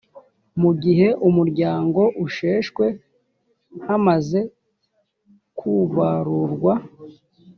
mu gihe umuryango usheshwe hamaze kubarurwa